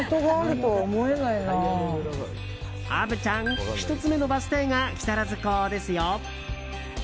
虻ちゃん、１つ目のバス停が木更津港ですよ。